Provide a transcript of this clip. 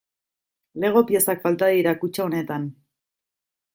Lego piezak falta dira kutxa honetan.